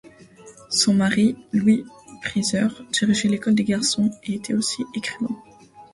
Son mari, Louis Priser, dirigeait l'école des garçons et était aussi écrivain.